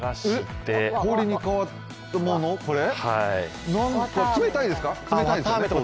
氷に代わるもの、冷たいですか？